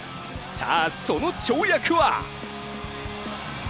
さあ、その跳躍は？